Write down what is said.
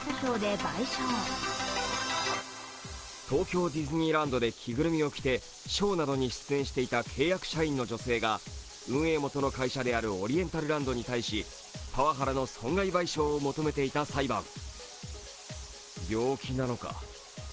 東京ディズニーランドで着ぐるみを着てショーなどに出演していた契約社員の女性が運営元の会社であるオリエンタルランドに対し、パワハラの損害賠償を求めていた裁判。